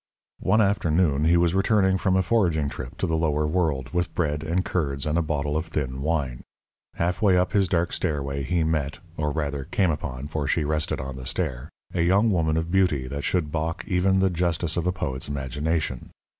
One afternoon he was returning from a foraging trip to the lower world, with bread and curds and a bottle of thin wine. Halfway up his dark stairway he met or rather came upon, for she rested on the stair a young woman of a beauty that should balk even the justice of a poet's imagination.